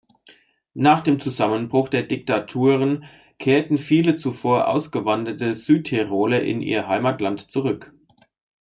Nach dem Zusammenbruch der Diktaturen kehrten viele zuvor ausgewanderte Südtiroler in ihr Heimatland zurück.